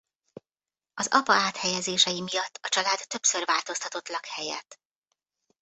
Az apa áthelyezései miatt a család többször változtatott lakhelyet.